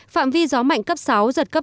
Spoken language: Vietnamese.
phạm vi gió mạnh cấp sáu giật cấp tám